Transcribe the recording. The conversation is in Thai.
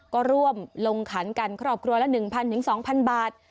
ก็ร่วมลงขันกันครอบครัวละ๑๐๐๒๐๐บาท